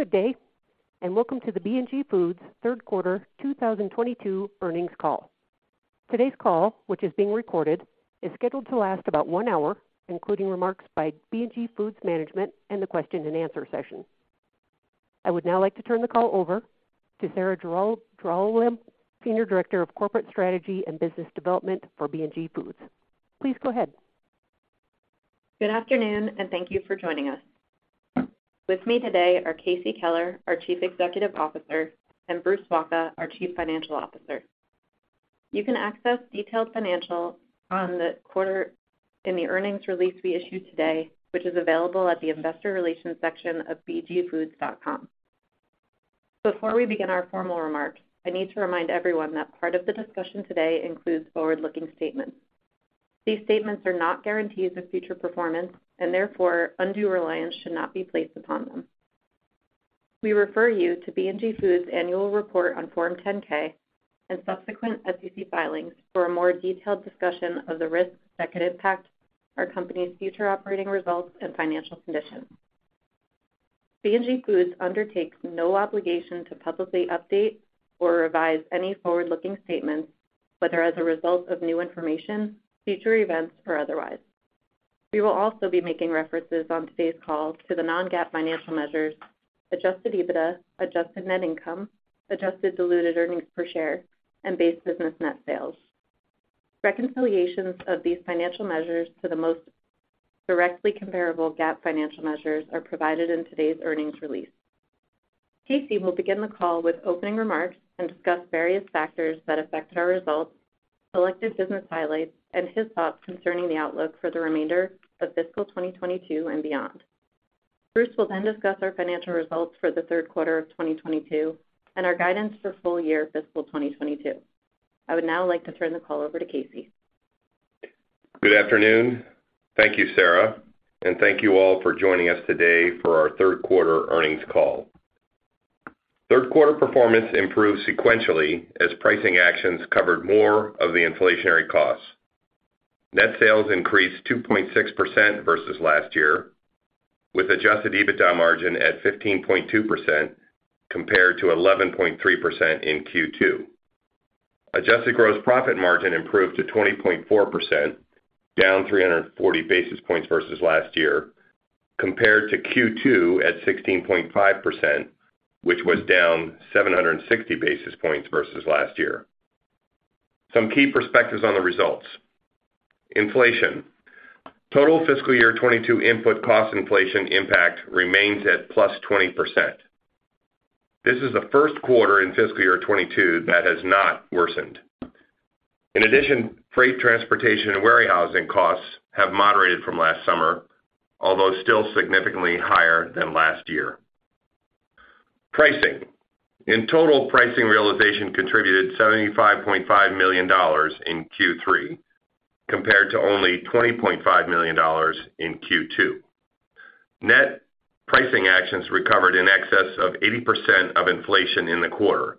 Good day, and welcome to the B&G Foods 1/3 1/4 2022 earnings call. Today's call, which is being recorded, is scheduled to last about 1 hour, including remarks by B&G Foods management and the question and answer session. I would now like to turn the call over to Sarah Giral-Peterson, Senior Director of Corporate Strategy and Business Development for B&G Foods. Please go ahead. Good afternoon, and thank you for joining us. With me today are Casey Keller, our Chief Executive Officer, and Bruce Wacha, our Chief Financial Officer. You can access detailed financials on the 1/4 in the earnings release we issued today, which is available at the investor relations section of bgfoods.com. Before we begin our formal remarks, I need to remind everyone that part of the discussion today includes forward-looking statements. These statements are not guarantees of future performance and therefore undue reliance should not be placed upon them. We refer you to B&G Foods annual report on Form 10-K and subsequent SEC filings for a more detailed discussion of the risks that could impact our company's future operating results and financial conditions. B&G Foods undertakes no obligation to publicly update or revise any forward-looking statements, whether as a result of new information, future events or otherwise. We will also be making references on today's call to the non-GAAP financial measures, adjusted EBITDA, adjusted net income, adjusted diluted earnings per share, and base business net sales. Reconciliations of these financial measures to the most directly comparable GAAP financial measures are provided in today's earnings release. Casey will begin the call with opening remarks and discuss various factors that affected our results, selective business highlights, and his thoughts concerning the outlook for the remainder of fiscal 2022 and beyond. Bruce will then discuss our financial results for the 1/3 1/4 of 2022 and our guidance for full year fiscal 2022. I would now like to turn the call over to Casey. Good afternoon. Thank you, Sarah, and thank you all for joining us today for our 1/3 1/4 earnings call. Third 1/4 performance improved sequentially as pricing actions covered more of the inflationary costs. Net sales increased 2.6% versus last year, with adjusted EBITDA margin at 15.2% compared to 11.3% in Q2. Adjusted gross profit margin improved to 20.4%, down 340 basis points versus last year, compared to Q2 at 16.5%, which was down 760 basis points versus last year. Some key perspectives on the results. Inflation. Total fiscal year 2022 input cost inflation impact remains at +20%. This is the first 1/4 in fiscal year 2022 that has not worsened. In addition, freight, transportation and warehousing costs have moderated from last summer, although still significantly higher than last year. Pricing. In total, pricing realization contributed $75.5 million in Q3, compared to only $20.5 million in Q2. Net pricing actions recovered in excess of 80% of inflation in the 1/4,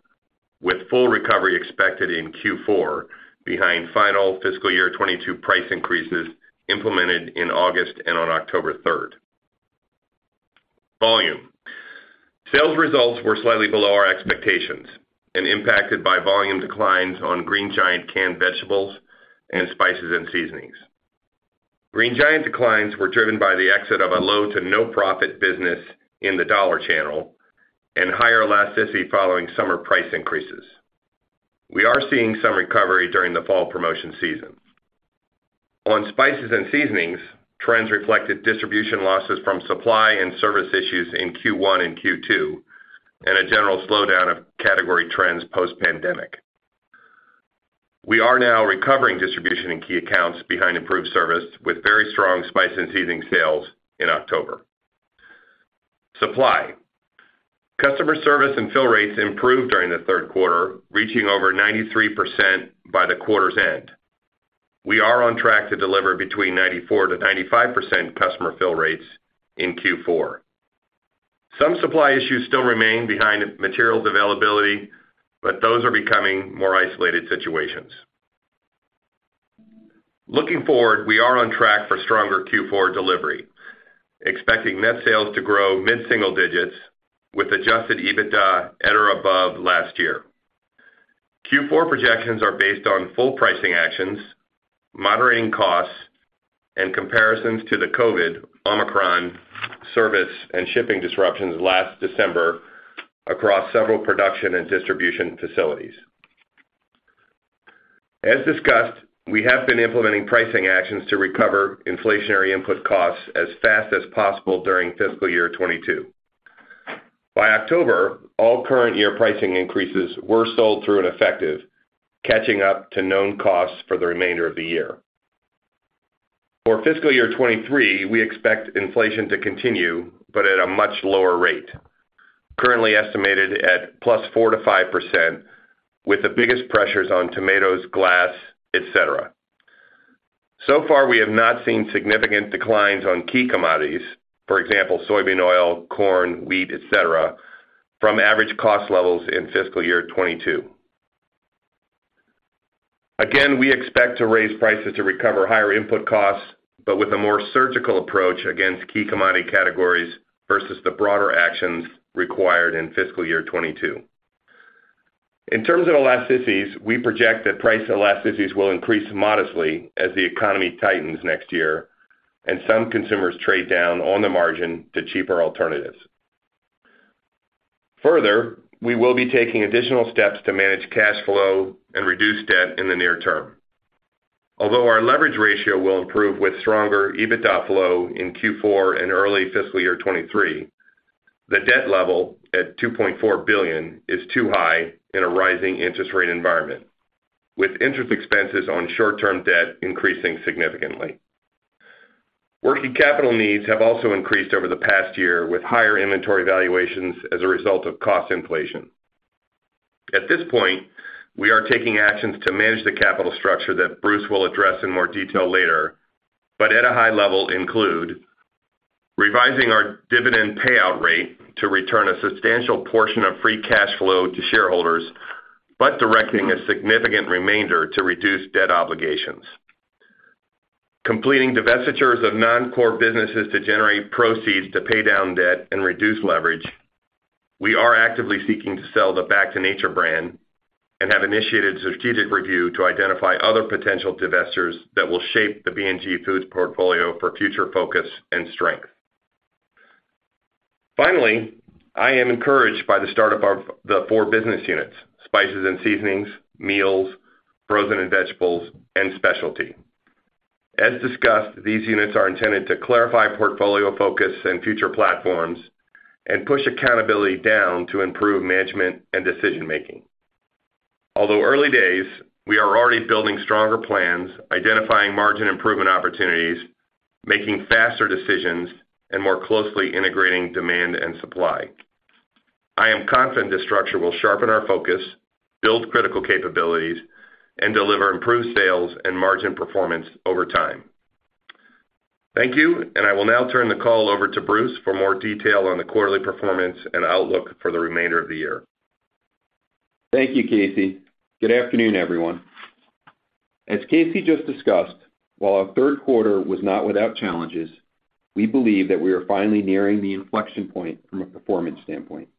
with full recovery expected in Q4 behind final fiscal year 2022 price increases implemented in August and on October 3rd. Volume. Sales results were slightly below our expectations and impacted by volume declines on Green Giant canned vegetables and spices and seasonings. Green Giant declines were driven by the exit of a low to no profit business in the dollar channel and higher elasticity following summer price increases. We are seeing some recovery during the fall promotion season. On spices and seasonings, trends reflected distribution losses from supply and service issues in Q1 and Q2, and a general slowdown of category trends post-pandemic. We are now recovering distribution in key accounts behind improved service, with very strong spice and seasoning sales in October. Supply, customer service and fill rates improved during the 1/3 1/4, reaching over 93% by the 1/4's end. We are on track to deliver between 94%-95% customer fill rates in Q4. Some supply issues still remain behind materials availability, but those are becoming more isolated situations. Looking forward, we are on track for stronger Q4 delivery, expecting net sales to grow mid-single digits with adjusted EBITDA at or above last year. Q4 projections are based on full pricing actions, moderating costs, and comparisons to the COVID, Omicron service and shipping disruptions last December across several production and distribution facilities. As discussed, we have been implementing pricing actions to recover inflationary input costs as fast as possible during fiscal year 2022. By October, all current year pricing increases were sold through and effective, catching up to known costs for the remainder of the year. For fiscal year 2023, we expect inflation to continue, but at a much lower rate, currently estimated at +4%-5%, with the biggest pressures on tomatoes, glass, etc. So far, we have not seen significant declines on key commodities, for example, soybean oil, corn, wheat, etc., from average cost levels in fiscal year 2022. Again, we expect to raise prices to recover higher input costs, but with a more surgical approach against key commodity categories versus the broader actions required in fiscal year 2022. In terms of elasticities, we project that price elasticities will increase modestly as the economy tightens next year and some consumers trade down on the margin to cheaper alternatives. Further, we will be taking additional steps to manage cash flow and reduce debt in the near term. Although our leverage ratio will improve with stronger EBITDA flow in Q4 and early fiscal year 2023, the debt level at $2.4 billion is too high in a rising interest rate environment, with interest expenses on short-term debt increasing significantly. Working capital needs have also increased over the past year with higher inventory valuations as a result of cost inflation. At this point, we are taking actions to manage the capital structure that Bruce will address in more detail later, but at a high level include revising our dividend payout rate to return a substantial portion of free cash flow to shareholders, but directing a significant remainder to reduce debt obligations. Completing divestitures of Non-Core businesses to generate proceeds to pay down debt and reduce leverage, we are actively seeking to sell the Back to Nature brand and have initiated strategic review to identify other potential divestitures that will shape the B&G Foods portfolio for future focus and strength. Finally, I am encouraged by the start of the four business units, spices and seasonings, meals, frozen and vegetables, and specialty. As discussed, these units are intended to clarify portfolio focus and future platforms and push accountability down to improve management and decision-making. Although early days, we are already building stronger plans, identifying margin improvement opportunities, making faster decisions, and more closely integrating demand and supply. I am confident this structure will sharpen our focus, build critical capabilities, and deliver improved sales and margin performance over time. Thank you, and I will now turn the call over to Bruce for more detail on the quarterly performance and outlook for the remainder of the year. Thank you, Casey. Good afternoon, everyone. As Casey just discussed, while our 1/3 1/4 was not without challenges, we believe that we are finally nearing the inflection point from a performance standpoint.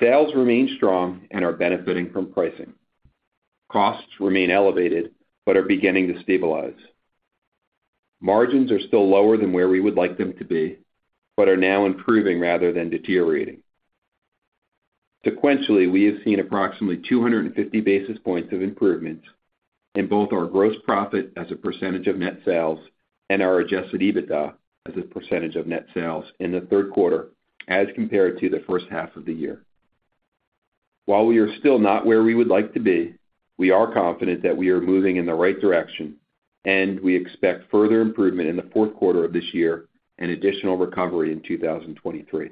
Sales remain strong and are benefiting from pricing. Costs remain elevated, but are beginning to stabilize. Margins are still lower than where we would like them to be, but are now improving rather than deteriorating. Sequentially, we have seen approximately 250 basis points of improvements in both our gross profit as a percentage of net sales and our adjusted EBITDA as a percentage of net sales in the 1/3 1/4 as compared to the first half of the year. While we are still not where we would like to be, we are confident that we are moving in the right direction, and we expect further improvement in the fourth 1/4 of this year and additional recovery in 2023.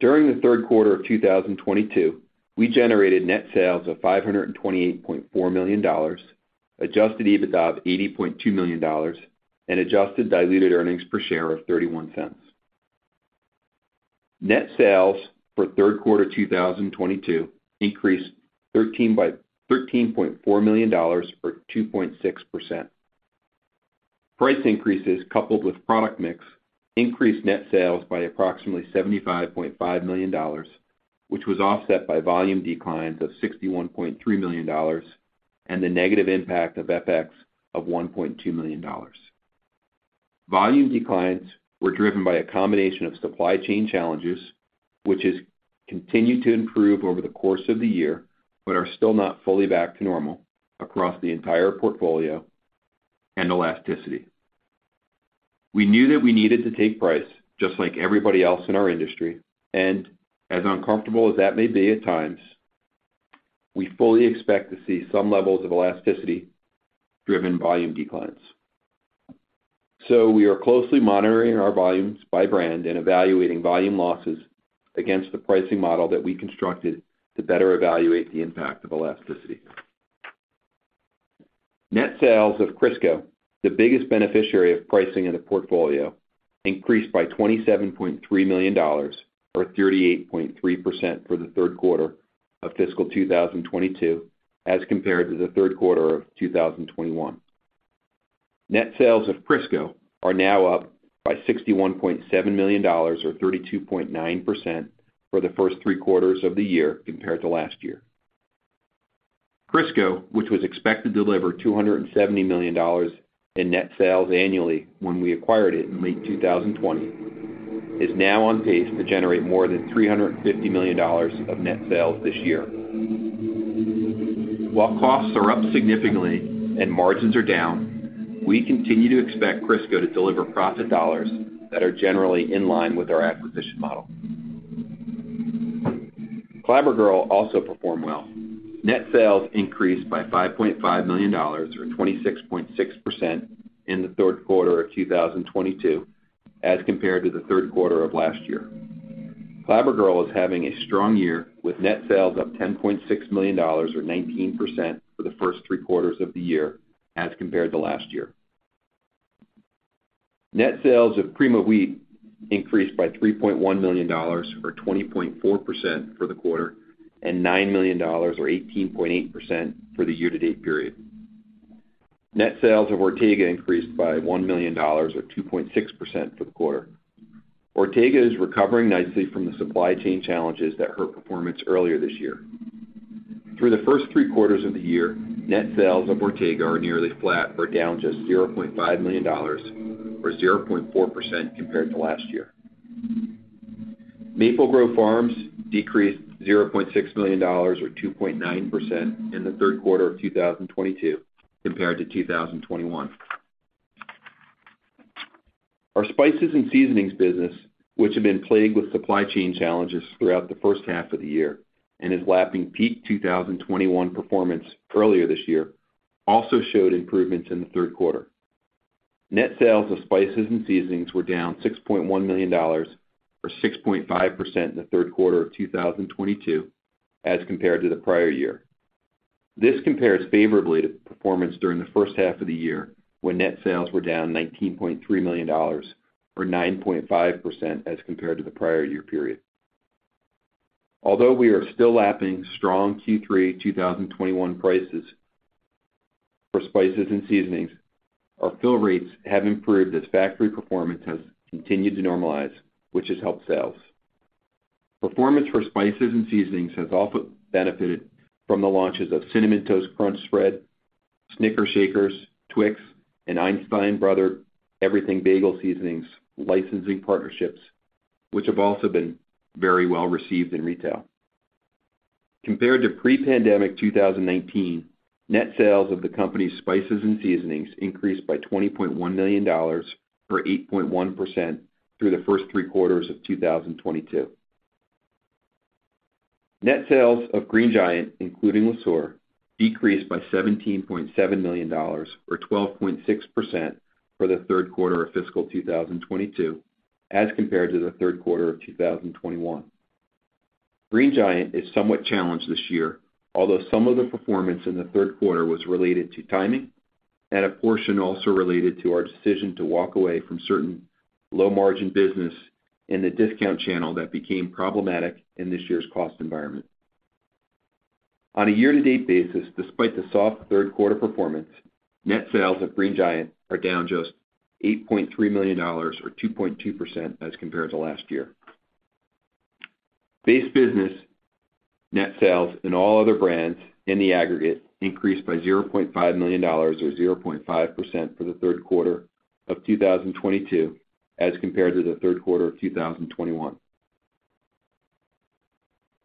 During the 1/3 1/4 of 2022, we generated net sales of $528.4 million, adjusted EBITDA of $80.2 million, and adjusted diluted earnings per share of $0.31. Net sales for 1/3 1/4 2022 increased $13.4 million or 2.6%. Price increases coupled with product mix increased net sales by approximately $75.5 million, which was offset by volume declines of $61.3 million and the negative impact of FX of $1.2 million. Volume declines were driven by a combination of supply chain challenges, which has continued to improve over the course of the year, but are still not fully back to normal across the entire portfolio and elasticity. We knew that we needed to take price just like everybody else in our industry, and as uncomfortable as that may be at times, we fully expect to see some levels of elasticity-driven volume declines. We are closely monitoring our volumes by brand and evaluating volume losses against the pricing model that we constructed to better evaluate the impact of elasticity. Net sales of Crisco, the biggest beneficiary of pricing in the portfolio, increased by $27.3 million or 38.3% for the 1/3 1/4 of fiscal 2022 as compared to the 1/3 1/4 of 2021. Net sales of Crisco are now up by $61.7 million or 32.9% for the first 3 quarters of the year compared to last year. Crisco, which was expected to deliver $270 million in net sales annually when we acquired it in late 2020, is now on pace to generate more than $350 million of net sales this year. While costs are up significantly and margins are down, we continue to expect Crisco to deliver profit dollars that are generally in line with our acquisition model. Clabber Girl also performed well. Net sales increased by $5.5 million, or 26.6% in the 1/3 1/4 of 2022 as compared to the 1/3 1/4 of last year. Clabber Girl is having a strong year, with net sales up $10.6 million or 19% for the first 3 quarters of the year as compared to last year. Net sales of Cream of Wheat increased by $3.1 million, or 20.4% for the 1/4, and $9 million or 18.8% for the Year-To-Date period. Net sales of Ortega increased by $1 million or 2.6% for the 1/4. Ortega is recovering nicely from the supply chain challenges that hurt performance earlier this year. Through the first 3 quarters of the year, net sales of Ortega are nearly flat or down just $0.5 million or 0.4% compared to last year. Maple Grove Farms decreased $0.6 million or 2.9% in the 1/3 1/4 of 2022 compared to 2021. Our spices and seasonings business, which have been plagued with supply chain challenges throughout the first half of the year and is lapping peak 2021 performance earlier this year, also showed improvements in the 1/3 1/4. Net sales of spices and seasonings were down $6.1 million or 6.5% in the 1/3 1/4 of 2022 as compared to the prior year. This compares favorably to performance during the first half of the year, when net sales were down $19.3 million or 9.5% as compared to the prior year period. Although we are still lapping strong Q3 2021 prices for spices and seasonings, our fill rates have improved as factory performance has continued to normalize, which has helped sales. Performance for spices and seasonings has also benefited from the launches of Cinnamon Toast Crunch Cinnadust Seasoning Blend, Snickers Shakers Seasoning Blend, Twix Shakers Seasoning Blend, and Einstein Bros. Bagels Everything Bagel Seasoning licensing partnerships, which have also been very well received in retail. Compared to pre-pandemic 2019, net sales of the company's spices and seasonings increased by $20.1 million or 8.1% through the first 3 quarters of 2022. Net sales of Green Giant, including Le Sueur, decreased by $17.7 million or 12.6% for the 1/3 1/4 of fiscal 2022 as compared to the 1/3 1/4 of 2021. Green Giant is somewhat challenged this year, although some of the performance in the 1/3 1/4 was related to timing and a portion also related to our decision to walk away from certain low margin business in the discount channel that became problematic in this year's cost environment. On a Year-To-Date basis, despite the soft 1/3 1/4 performance, net sales at Green Giant are down just $8.3 million or 2.2% as compared to last year. Base business net sales in all other brands in the aggregate increased by $0.5 million or 0.5% for the 1/3 1/4 of 2022 as compared to the 1/3 1/4 of 2021.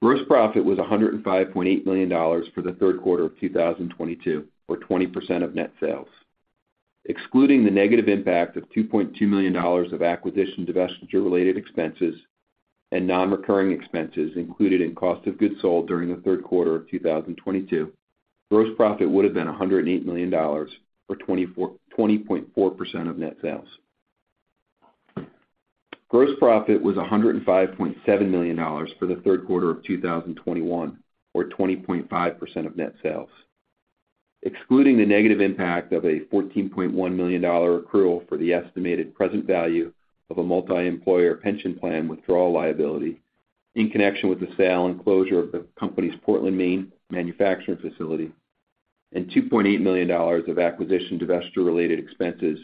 Gross profit was $105.8 million for the 1/3 1/4 of 2022 or 20% of net sales. Excluding the negative impact of $2.2 million of acquisition divestiture-related expenses and non-recurring expenses included in cost of goods sold during the 1/3 1/4 of 2022, gross profit would have been $108 million or 20.4% of net sales. Gross profit was $105.7 million for the 1/3 1/4 of 2021 or 20.5% of net sales. Excluding the negative impact of a $14.1 million accrual for the estimated present value of a multi-employer pension plan withdrawal liability in connection with the sale and closure of the company's Portland, Maine manufacturing facility and $2.8 million of acquisition divestiture-related expenses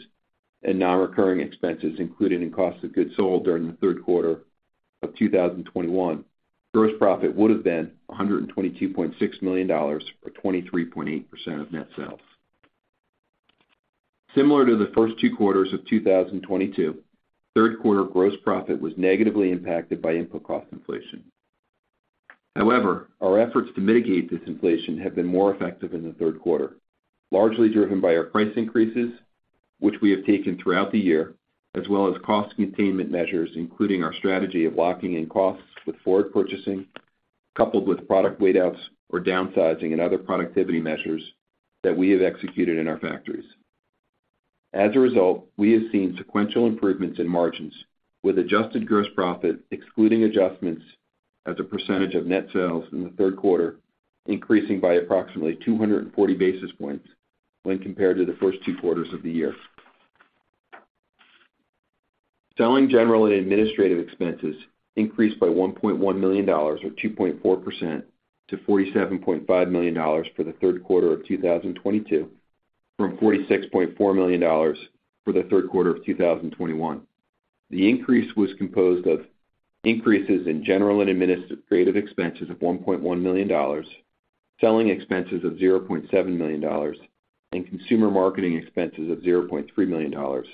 and non-recurring expenses included in cost of goods sold during the 1/3 1/4 of 2021, gross profit would have been $122.6 million or 23.8% of net sales. Similar to the first 2 quarters of 2022, 1/3 1/4 gross profit was negatively impacted by input cost inflation. However, our efforts to mitigate this inflation have been more effective in the 1/3 1/4. Largely driven by our price increases, which we have taken throughout the year, as well as cost containment measures, including our strategy of locking in costs with forward purchasing, coupled with product weight outs or downsizing and other productivity measures that we have executed in our factories. As a result, we have seen sequential improvements in margins with adjusted gross profit excluding adjustments as a percentage of net sales in the 1/3 1/4, increasing by approximately 240 basis points when compared to the first 2 quarters of the year. Selling, general, and administrative expenses increased by $1.1 million or 2.4% to $47.5 million for the 1/3 1/4 of 2022 from $46.4 million for the 1/3 1/4 of 2021. The increase was composed of increases in general and administrative expenses of $1.1 million, selling expenses of $0.7 million, and consumer marketing expenses of $0.3 million,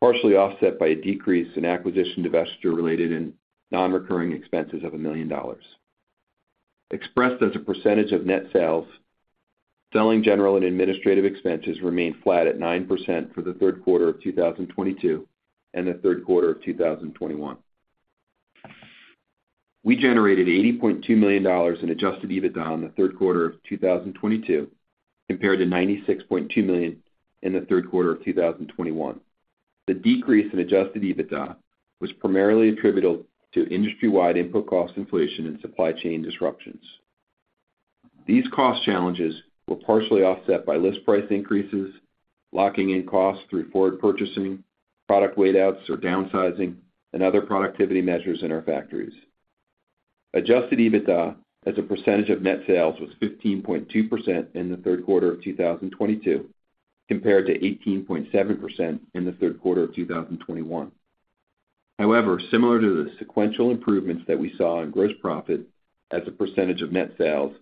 partially offset by a decrease in acquisition divestiture related and non-recurring expenses of $1 million. Expressed as a percentage of net sales, selling, general, and administrative expenses remained flat at 9% for the 1/3 1/4 of 2022 and the 1/3 1/4 of 2021. We generated $80.2 million in adjusted EBITDA in the 1/3 1/4 of 2022 compared to $96.2 million in the 1/3 1/4 of 2021. The decrease in adjusted EBITDA was primarily attributable to industry-wide input cost inflation and supply chain disruptions. These cost challenges were partially offset by list price increases, locking in costs through forward purchasing, product weight outs or downsizing, and other productivity measures in our factories. Adjusted EBITDA as a percentage of net sales was 15.2% in the 1/3 1/4 of 2022, compared to 18.7% in the 1/3 1/4 of 2021. However, similar to the sequential improvements that we saw in gross profit as a percentage of net sales,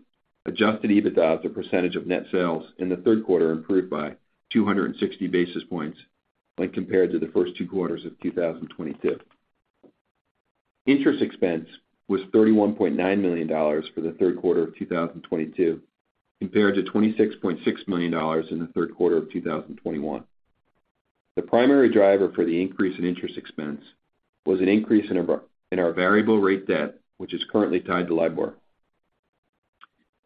adjusted EBITDA as a percentage of net sales in the 1/3 1/4 improved by 260 basis points when compared to the first 2 quarters of 2022. Interest expense was $31.9 million for the 1/3 1/4 of 2022, compared to $26.6 million in the 1/3 1/4 of 2021. The primary driver for the increase in interest expense was an increase in our variable rate debt, which is currently tied to LIBOR.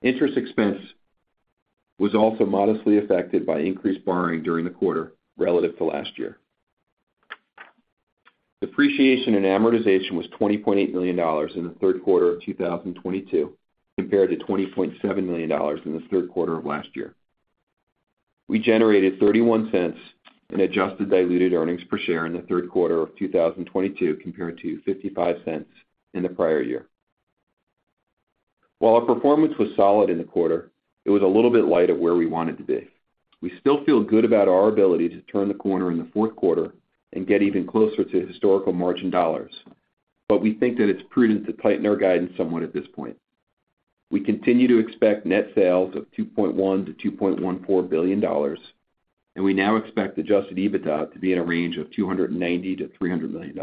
Interest expense was also modestly affected by increased borrowing during the 1/4 relative to last year. Depreciation and amortization was $20.8 million in the 1/3 1/4 of 2022, compared to $20.7 million in the 1/3 1/4 of last year. We generated $0.31 in adjusted diluted earnings per share in the 1/3 1/4 of 2022, compared to $0.55 in the prior year. While our performance was solid in the 1/4, it was a little bit light of where we wanted to be. We still feel good about our ability to turn the corner in the fourth 1/4 and get even closer to historical margin dollars, but we think that it's prudent to tighten our guidance somewhat at this point. We continue to expect net sales of $2.1 billion-$2.14 billion, and we now expect adjusted EBITDA to be in a range of $290 million-$300 million.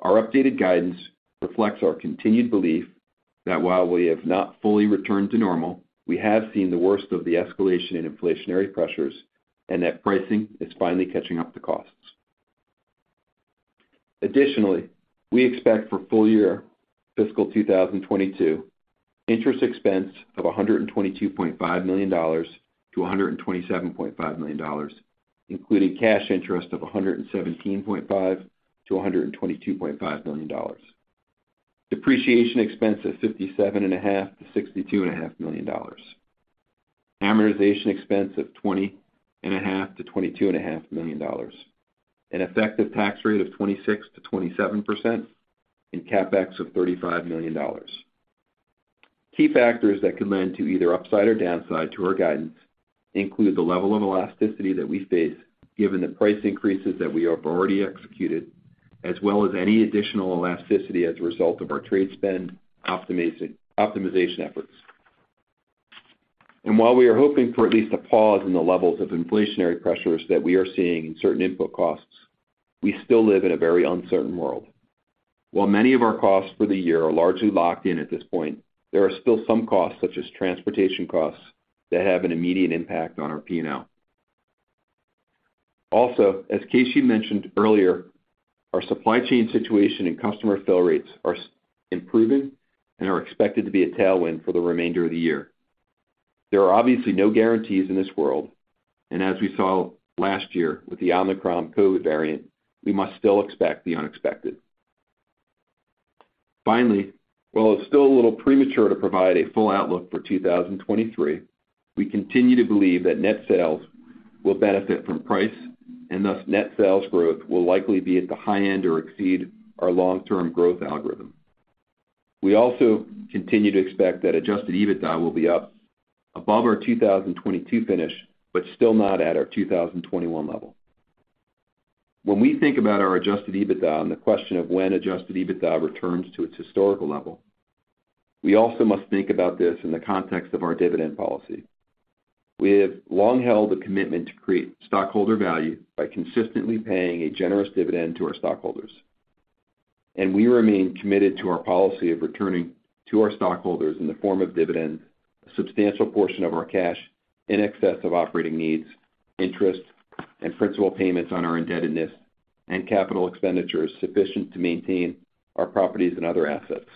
Our updated guidance reflects our continued belief that while we have not fully returned to normal, we have seen the worst of the escalation in inflationary pressures and that pricing is finally catching up to costs. Additionally, we expect for full year fiscal 2022 interest expense of $122.5 million-$127.5 million, including cash interest of $117.5-$122.5 million. Depreciation expense of $57.5-$62.5 million. Amortization expense of $20.5-$22.5 million. An effective tax rate of 26%-27% and CapEx of $35 million. Key factors that could lend to either upside or downside to our guidance include the level of elasticity that we face, given the price increases that we have already executed, as well as any additional elasticity as a result of our trade spend optimization efforts. While we are hoping for at least a pause in the levels of inflationary pressures that we are seeing in certain input costs, we still live in a very uncertain world. While many of our costs for the year are largely locked in at this point, there are still some costs, such as transportation costs that have an immediate impact on our P&L. Also, as Casey mentioned earlier, our supply chain situation and customer fill rates are improving and are expected to be a tailwind for the remainder of the year. There are obviously no guarantees in this world, and as we saw last year with the Omicron COVID variant, we must still expect the unexpected. Finally, while it's still a little premature to provide a full outlook for 2023, we continue to believe that net sales will benefit from price, and thus net sales growth will likely be at the high end or exceed our Long-Term growth algorithm. We also continue to expect that adjusted EBITDA will be up above our 2022 finish, but still not at our 2021 level. When we think about our adjusted EBITDA and the question of when adjusted EBITDA returns to its historical level, we also must think about this in the context of our dividend policy. We have long held a commitment to create stockholder value by consistently paying a generous dividend to our stockholders, and we remain committed to our policy of returning to our stockholders in the form of dividend, a substantial portion of our cash in excess of operating needs, interest and principal payments on our indebtedness and capital expenditures sufficient to maintain our properties and other assets.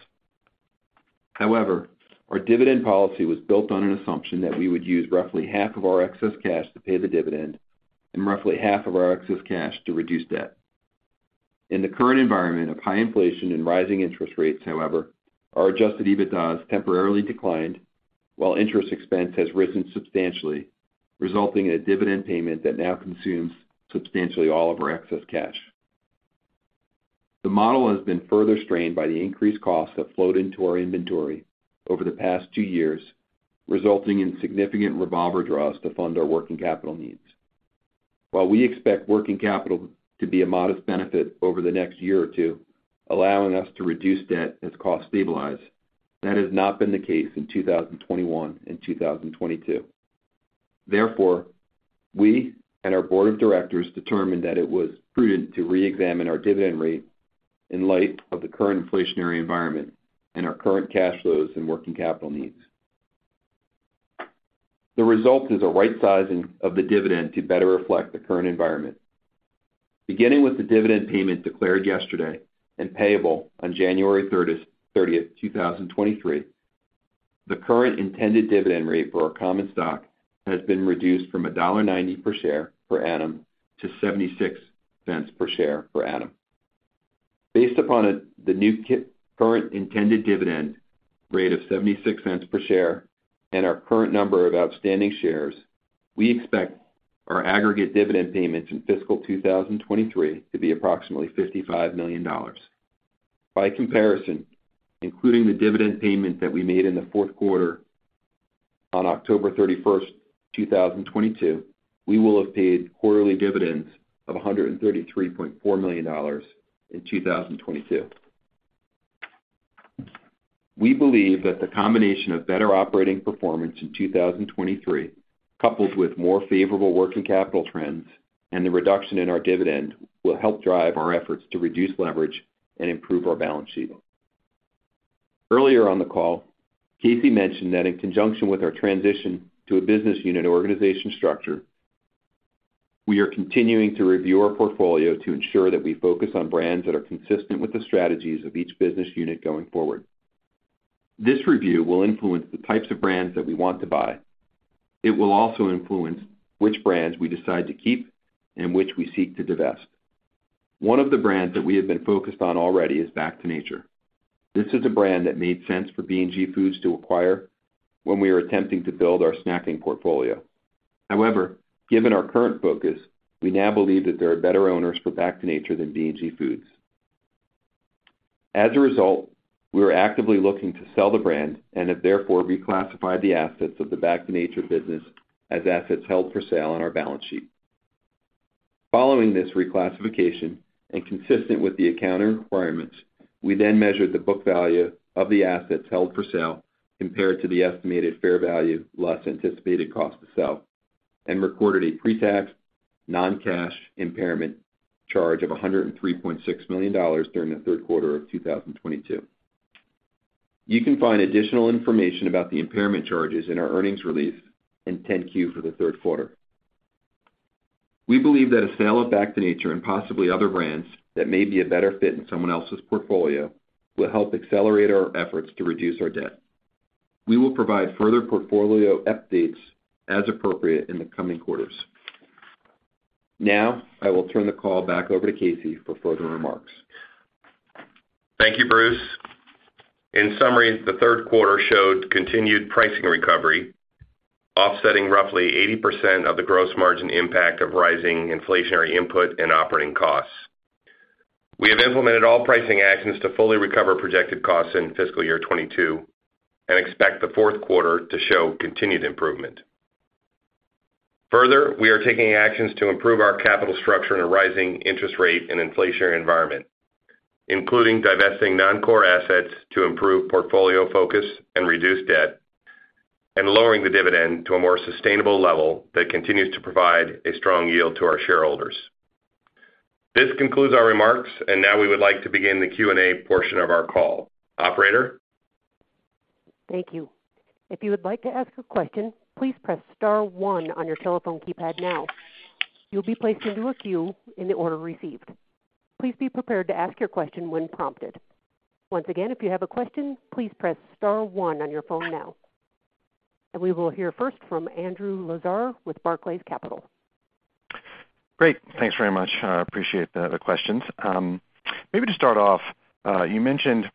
However, our dividend policy was built on an assumption that we would use roughly half of our excess cash to pay the dividend and roughly half of our excess cash to reduce debt. In the current environment of high inflation and rising interest rates, however, our adjusted EBITDA has temporarily declined while interest expense has risen substantially, resulting in a dividend payment that now consumes substantially all of our excess cash. The model has been further strained by the increased costs that flowed into our inventory over the past 2 years, resulting in significant revolver draws to fund our working capital needs. While we expect working capital to be a modest benefit over the next year or 2, allowing us to reduce debt as costs stabilize, that has not been the case in 2021 and 2022. Therefore, we and our board of directors determined that it was prudent to reexamine our dividend rate in light of the current inflationary environment and our current cash flows and working capital needs. The result is a right sizing of the dividend to better reflect the current environment. Beginning with the dividend payment declared yesterday and payable on January 30, 2023, the current intended dividend rate for our common stock has been reduced from $1.90 per share per annum to $0.76 per share per annum. Based upon the new current intended dividend rate of $0.76 per share and our current number of outstanding shares, we expect our aggregate dividend payments in fiscal 2023 to be approximately $55 million. By comparison, including the dividend payment that we made in the fourth 1/4 on October 31, 2022, we will have paid quarterly dividends of $133.4 million in 2022. We believe that the combination of better operating performance in 2023, coupled with more favorable working capital trends and the reduction in our dividend, will help drive our efforts to reduce leverage and improve our balance sheet. Earlier on the call, Casey mentioned that in conjunction with our transition to a business unit organization structure, we are continuing to review our portfolio to ensure that we focus on brands that are consistent with the strategies of each business unit going forward. This review will influence the types of brands that we want to buy. It will also influence which brands we decide to keep and which we seek to divest. One of the brands that we have been focused on already is Back to Nature. This is a brand that made sense for B&G Foods to acquire when we were attempting to build our snacking portfolio. However, given our current focus, we now believe that there are better owners for Back to Nature than B&G Foods. As a result, we are actively looking to sell the brand and have therefore reclassified the assets of the Back to Nature business as assets held for sale on our balance sheet. Following this reclassification and consistent with the accounting requirements, we then measured the book value of the assets held for sale compared to the estimated fair value less anticipated cost to sell, and recorded a pre-tax non-cash impairment charge of $103.6 million during the 1/3 1/4 of 2022. You can find additional information about the impairment charges in our earnings release in 10-Q for the 1/3 1/4. We believe that a sale of Back to Nature and possibly other brands that may be a better fit in someone else's portfolio will help accelerate our efforts to reduce our debt. We will provide further portfolio updates as appropriate in the coming quarters. Now, I will turn the call back over to Casey for further remarks. Thank you, Bruce. In summary, the 1/3 1/4 showed continued pricing recovery, offsetting roughly 80% of the gross margin impact of rising inflationary input and operating costs. We have implemented all pricing actions to fully recover projected costs in fiscal year 2022 and expect the fourth 1/4 to show continued improvement. Further, we are taking actions to improve our capital structure in a rising interest rate and inflationary environment, including divesting Non-Core assets to improve portfolio focus and reduce debt, and lowering the dividend to a more sustainable level that continues to provide a strong yield to our shareholders. This concludes our remarks, and now we would like to begin the Q&A portion of our call. Operator? Thank you. If you would like to ask a question, please press star one on your telephone keypad now. You'll be placed into a queue in the order received. Please be prepared to ask your question when prompted. Once again, if you have a question, please press star one on your phone now. We will hear first from Andrew Lazar with Barclays Capital. Great. Thanks very much. I appreciate the questions. Maybe to start off, you mentioned,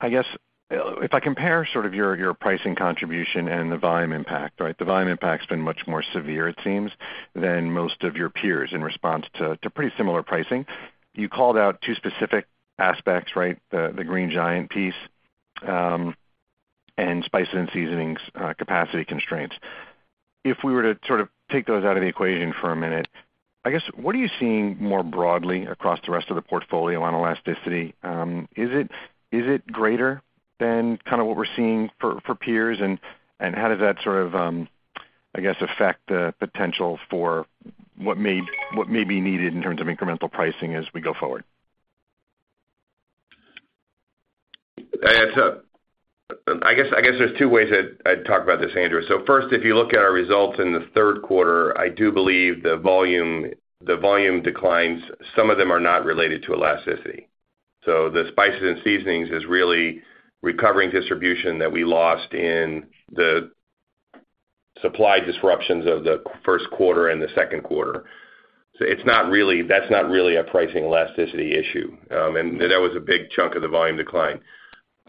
I guess, if I compare sort of your pricing contribution and the volume impact, right? The volume impact's been much more severe, it seems, than most of your peers in response to pretty similar pricing. You called out 2 specific aspects, right? The Green Giant piece, and spices and seasonings, capacity constraints. If we were to sort of take those out of the equation for a minute, I guess, what are you seeing more broadly across the rest of the portfolio on elasticity? Is it greater than kind of what we're seeing for peers and how does that sort of affect the potential for what may be needed in terms of incremental pricing as we go forward? I guess there's 2 ways I'd talk about this, Andrew. First, if you look at our results in the 1/3 1/4, I do believe the volume declines, some of them are not related to elasticity. The spices and seasonings is really recovering distribution that we lost in the supply disruptions of the first 1/4 and the second 1/4. It's not really a pricing elasticity issue, and that was a big chunk of the volume decline.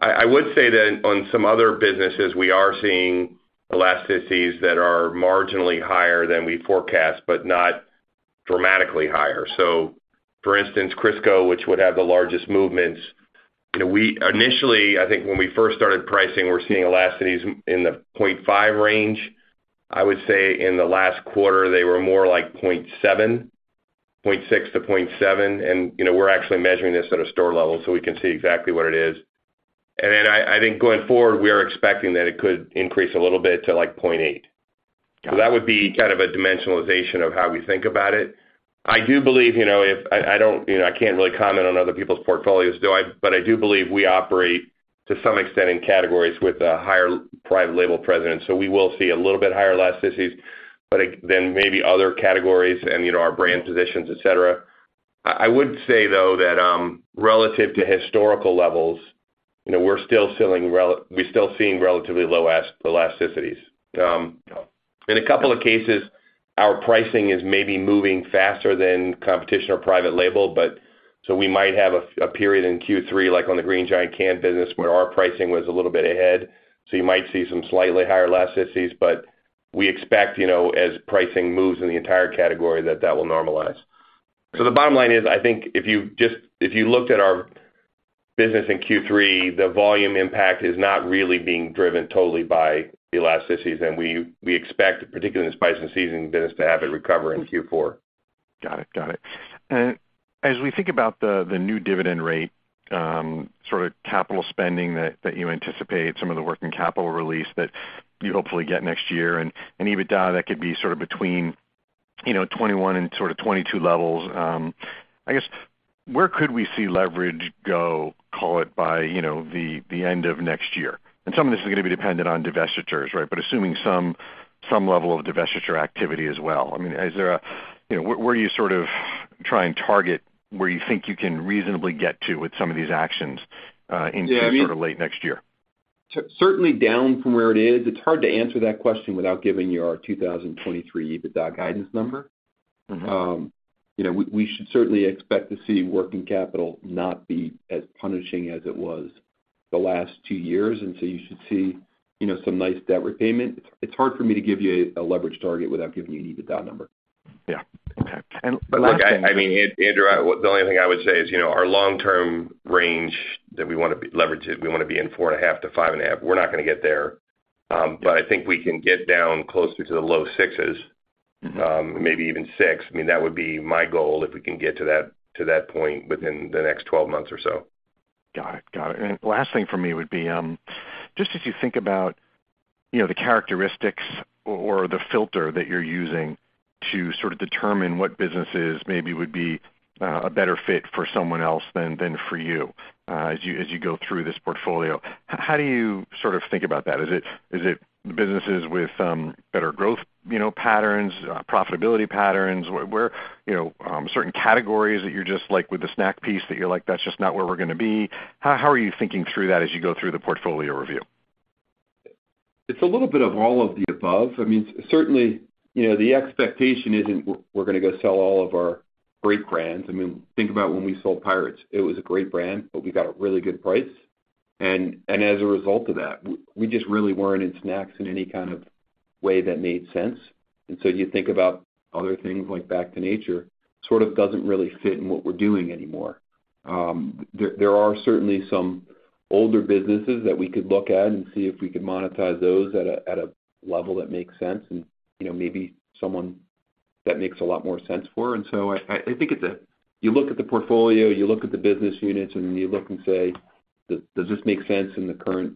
I would say that on some other businesses, we are seeing elasticities that are marginally higher than we forecast, but not dramatically higher. For instance, Crisco, which would have the largest movements, you know, we initially, I think when we first started pricing, we're seeing elasticities in the 0.5 range. I would say in the last 1/4, they were more like 0.7, 0.6-0.7. You know, we're actually measuring this at a store level, so we can see exactly what it is. I think going forward, we are expecting that it could increase a little bit to, like, 0.8. That would be kind of a dimensionalization of how we think about it. I do believe, you know, if I don't, you know, I can't really comment on other people's portfolios, do I? I do believe we operate to some extent in categories with a higher private label presence. We will see a little bit higher elasticities, but greater than maybe other categories and, you know, our brand positions, et cetera. I would say, though, that relative to historical levels, you know, we're still seeing relatively low elasticities. In a couple of cases, our pricing is maybe moving faster than competition or private label, but we might have a period in Q3, like on the Green Giant canned business, where our pricing was a little bit ahead. You might see some slightly higher elasticities, but we expect, you know, as pricing moves in the entire category that will normalize. The bottom line is, I think if you looked at our business in Q3, the volume impact is not really being driven totally by the elasticities, and we expect, particularly in the spice and seasoning business, to have it recover in Q4. Got it. As we think about the new dividend rate, sort of capital spending that you anticipate, some of the working capital release that you hopefully get next year and EBITDA that could be sort of between, you know, 21 and sort of 22 levels, I guess where could we see leverage go, call it by, you know, the end of next year? Some of this is gonna be dependent on divestitures, right? Assuming some level of divestiture activity as well, I mean, is there a you know, where are you sort of trying to target where you think you can reasonably get to with some of these actions, into sort of late next year? Certainly down from where it is. It's hard to answer that question without giving you our 2023 EBITDA guidance number. Mm-hmm. You know, we should certainly expect to see working capital not be as punishing as it was the last 2 years, and so you should see, you know, some nice debt repayment. It's hard for me to give you a leverage target without giving you an EBITDA number. Yeah. Okay. Last thing- Look, I mean, Andrew, the only thing I would say is, you know, our Long-Term leverage range that we wanna be in, 4.5-5.5, we're not gonna get there. But I think we can get down closer to the low sixes. Mm-hmm Maybe even 6. I mean, that would be my goal, if we can get to that point within the next 12 months or so. Got it. Last thing for me would be just as you think about, you know, the characteristics or the filter that you're using to sort of determine what businesses maybe would be a better fit for someone else than for you as you go through this portfolio, how do you sort of think about that? Is it businesses with better growth, you know, patterns, profitability patterns, where you know certain categories that you're just like with the snack piece that you're like, "That's just not where we're gonna be"? How are you thinking through that as you go through the portfolio review? It's a little bit of all of the above. I mean, certainly, you know, the expectation isn't we're gonna go sell all of our great brands. I mean, think about when we sold Pirate's Booty. It was a great brand, but we got a really good price. As a result of that, we just really weren't in snacks in any kind of way that made sense. You think about other things like Back to Nature, sort of doesn't really fit in what we're doing anymore. There are certainly some older businesses that we could look at and see if we could monetize those at a level that makes sense and, you know, maybe someone that makes a lot more sense for. I think it's a You look at the portfolio, you look at the business units, and you look and say, does this make sense in the current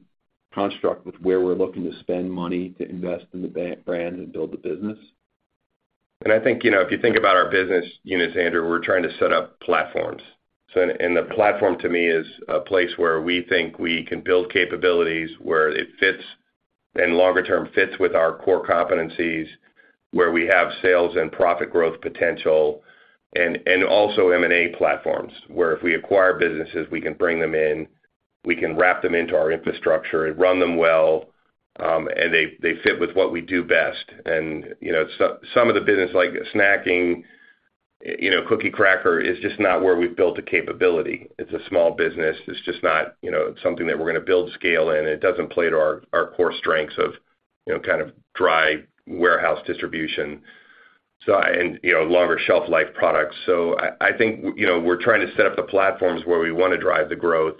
construct with where we're looking to spend money to invest in the brand and build the business? I think, you know, if you think about our business units, Andrew, we're trying to set up platforms. The platform to me is a place where we think we can build capabilities where it fits and longer term fits with our core competencies, where we have sales and profit growth potential and also M&A platforms, where if we acquire businesses, we can bring them in, we can wrap them into our infrastructure and run them well, and they fit with what we do best. You know, some of the business like snacking, you know, cookie, cracker is just not where we've built a capability. It's a small business. It's just not, you know, something that we're gonna build scale in. It doesn't play to our core strengths of, you know, kind of dry warehouse distribution, so and, you know, longer shelf life products. I think, you know, we're trying to set up the platforms where we wanna drive the growth.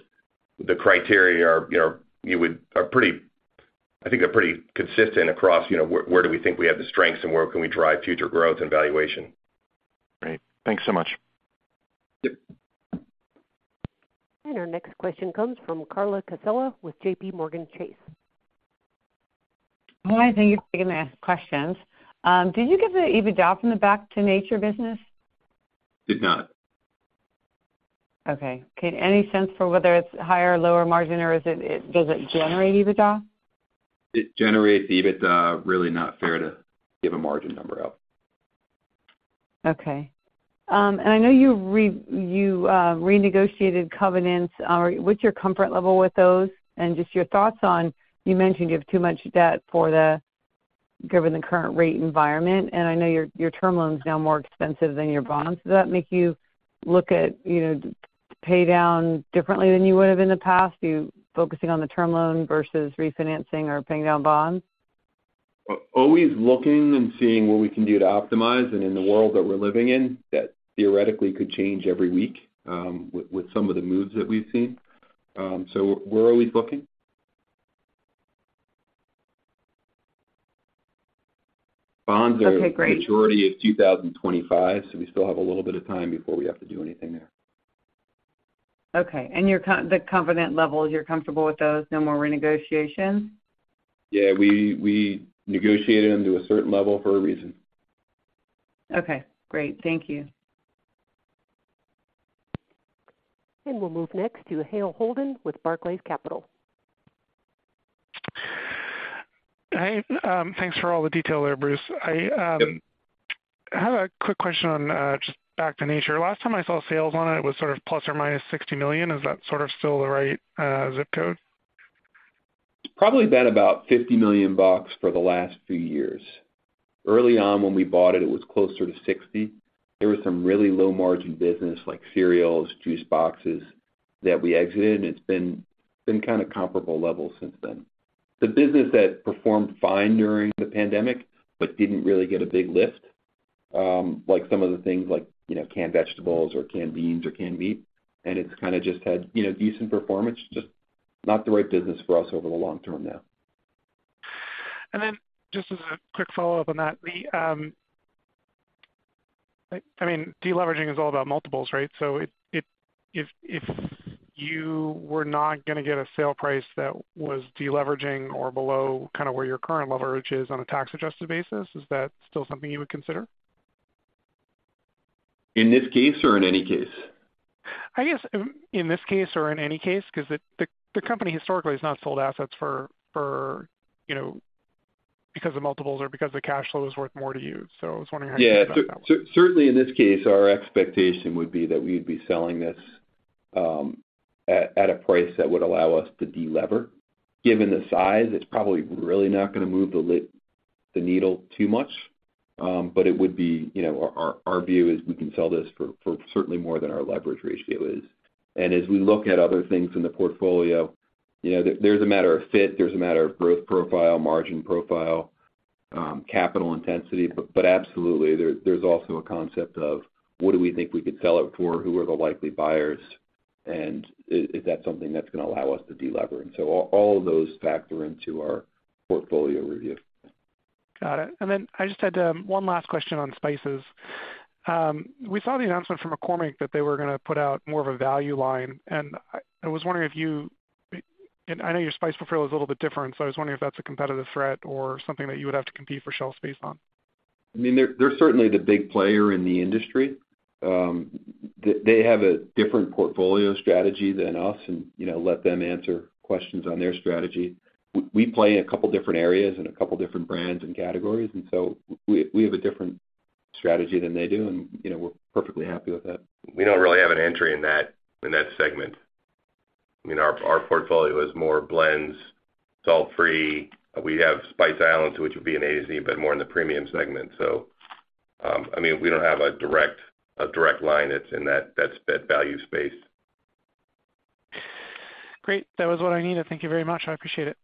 The criteria are, you know, pretty consistent, I think, across, you know, where we think we have the strengths and where we can drive future growth and valuation. Great. Thanks so much. Yep. Our next question comes from Carla Casella with JPMorgan Chase. Hi, thank you for taking my questions. Did you get the EBITDA from the Back to Nature business? Did not. Any sense for whether it's higher or lower margin or does it generate EBITDA? It generates EBITDA. Really not fair to give a margin number out. Okay. I know you renegotiated covenants. What's your comfort level with those? Just your thoughts on you mentioned you have too much debt given the current rate environment, and I know your term loan's now more expensive than your bonds. Does that make you look at, you know, pay down differently than you would have in the past? Are you focusing on the term loan versus refinancing or paying down bonds? Always looking and seeing what we can do to optimize and in the world that we're living in, that theoretically could change every week, with some of the moves that we've seen. We're always looking. Bonds are. Okay, great. the majority of 2025, so we still have a little bit of time before we have to do anything there. Okay. Your covenant levels, you're comfortable with those? No more renegotiations? Yeah, we negotiated them to a certain level for a reason. Okay, great. Thank you. We'll move next to Hale Holden with Barclays Capital. Hey, thanks for all the detail there, Bruce. I had a quick question on just Back to Nature. Last time I saw sales on it was sort of ±$60 million. Is that sort of still the right ZIP code? It's probably been about $50 million for the last few years. Early on when we bought it was closer to $60 million. There was some really low margin business like cereals, juice boxes that we exited, and it's been kinda comparable levels since then. The business had performed fine during the pandemic, but didn't really get a big lift, like some of the things like, you know, canned vegetables or canned beans or canned meat. It's kinda just had, you know, decent performance, just not the right business for us over the long term now. Just as a quick Follow-Up on that, I mean, deleveraging is all about multiples, right? If you were not gonna get a sale price that was deleveraging or below kinda where your current leverage is on a tax-adjusted basis, is that still something you would consider? In this case or in any case? I guess in this case or in any case, 'cause the company historically has not sold assets for, you know, because the multiples or because the cash flow is worth more to you. I was wondering how you feel about that one. Yeah. Certainly in this case, our expectation would be that we'd be selling this at a price that would allow us to de-lever. Given the size, it's probably really not gonna move the needle too much. But it would be, you know, our view is we can sell this for certainly more than our leverage ratio is. As we look at other things in the portfolio, you know, there's a matter of fit, there's a matter of growth profile, margin profile, capital intensity. But absolutely, there's also a concept of what do we think we could sell it for? Who are the likely buyers? Is that something that's gonna allow us to de-lever? All of those factor into our portfolio review. Got it. I just had one last question on spices. We saw the announcement from McCormick that they were gonna put out more of a value line, and I was wondering. I know your spice profile is a little bit different, so I was wondering if that's a competitive threat or something that you would have to compete for shelf space on. I mean, they're certainly the big player in the industry. They have a different portfolio strategy than us and, you know, let them answer questions on their strategy. We play in a couple different areas and a couple different brands and categories, and so we have a different strategy than they do, and, you know, we're perfectly happy with that. We don't really have an entry in that segment. I mean, our portfolio is more blends, salt-free. We have Spice Islands, which would be an A-to-Z, but more in the premium segment. I mean, we don't have a direct line that's in that value space. Great. That was what I needed. Thank you very much. I appreciate it.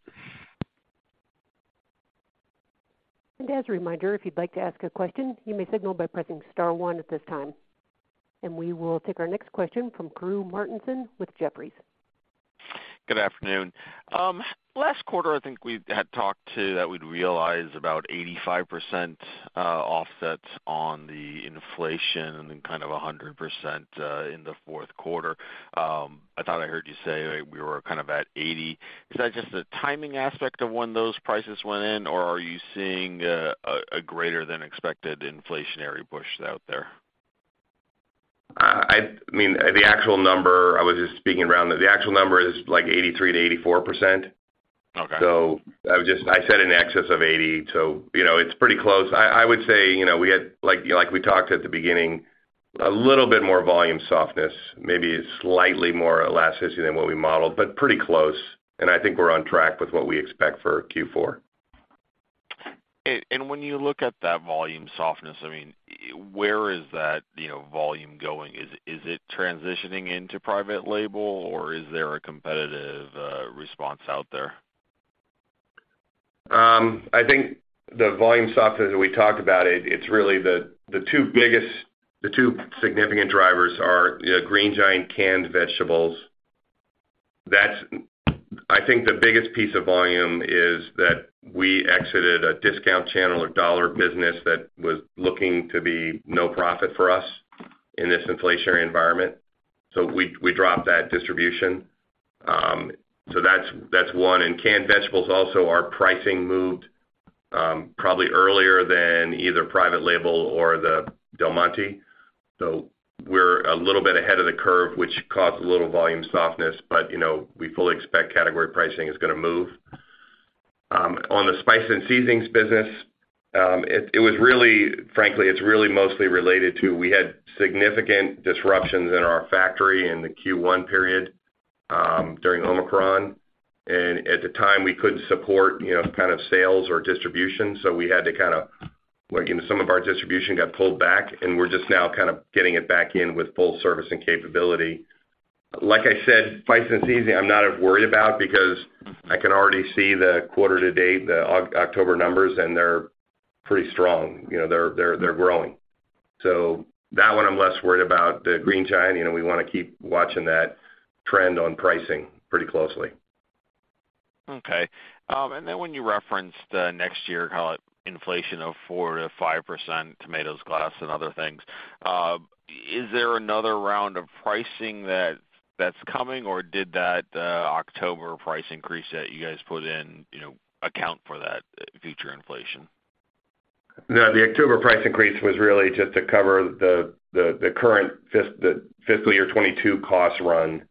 As a reminder, if you'd like to ask a question, you may signal by pressing star one at this time. We will take our next question from Rob Dickerson with Jefferies. Good afternoon. Last 1/4, I think we had talked to that we'd realize about 85% offsets on the inflation and then kind of 100% in the fourth 1/4. I thought I heard you say we were kind of at 80. Is that just the timing aspect of when those prices went in, or are you seeing a greater than expected inflationary push out there? I mean, the actual number, I was just speaking around that the actual number is like 83%-84%. Okay. I said in excess of 80, so, you know, it's pretty close. I would say, you know, we had, like we talked at the beginning, a little bit more volume softness, maybe slightly more elasticity than what we modeled, but pretty close. I think we're on track with what we expect for Q4. When you look at that volume softness, I mean, where is that volume going? Is it transitioning into private label, or is there a competitive response out there? I think the volume softness that we talked about, it's really the 2 significant drivers are, you know, Green Giant canned vegetables. That's I think the biggest piece of volume is that we exited a discount channel or dollar business that was looking to be no profit for us in this inflationary environment, so we dropped that distribution. So that's one. In canned vegetables also, our pricing moved probably earlier than either private label or the Del Monte. So we're a little bit ahead of the curve, which caused a little volume softness, but, you know, we fully expect category pricing is gonna move. On the spice and seasonings business, it was really frankly, it's really mostly related to, we had significant disruptions in our factory in the Q1 period during Omicron. At the time, we couldn't support, you know, kind of sales or distribution, so we had to kinda, like, you know, some of our distribution got pulled back, and we're just now kind of getting it back in with full service and capability. Like I said, spice and seasoning, I'm not as worried about because I can already see the 1/4 to date, the October numbers, and they're pretty strong. You know, they're growing. So that one I'm less worried about. The Green Giant, you know, we wanna keep watching that trend on pricing pretty closely. Okay. When you referenced next year, call it inflation of 4%-5%, tomatoes, glass and other things, is there another round of pricing that's coming, or did that October price increase that you guys put in, you know, account for that future inflation? No, the October price increase was really just to cover the current fiscal year 2022 cost run.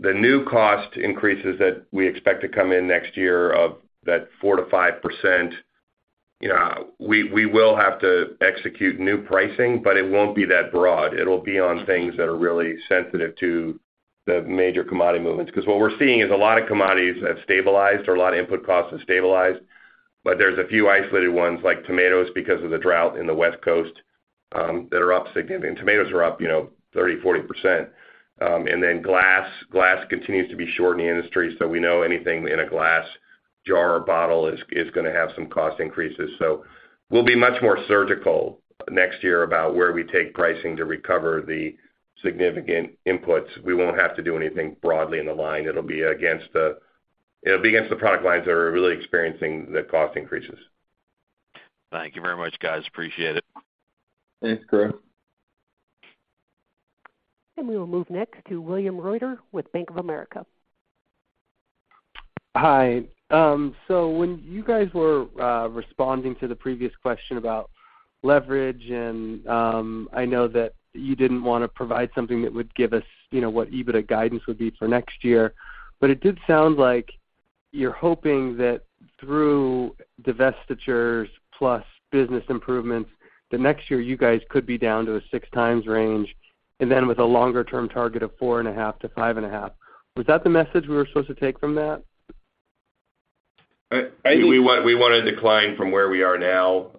The new cost increases that we expect to come in next year of that 4%-5%, we will have to execute new pricing, but it won't be that broad. It'll be on things that are really sensitive to the major commodity movements. Because what we're seeing is a lot of commodities have stabilized or a lot of input costs have stabilized. There's a few isolated ones like tomatoes because of the drought in the West Coast that are up significantly. Tomatoes are up 30%-40%. And then glass continues to be short in the industry, so we know anything in a glass jar or bottle is gonna have some cost increases. We'll be much more surgical next year about where we take pricing to recover the significant inputs. We won't have to do anything broadly in the line. It'll be against the product lines that are really experiencing the cost increases. Thank you very much, guys. Appreciate it. Thanks, Greg. We will move next to William Reuter with Bank of America. Hi. When you guys were responding to the previous question about leverage, and I know that you didn't wanna provide something that would give us, you know, what EBITDA guidance would be for next year, but it did sound like you're hoping that through divestitures plus business improvements, that next year you guys could be down to a 6x range and then with a longer-term target of 4.5-5.5. Was that the message we were supposed to take from that? We want to decline from where we are now.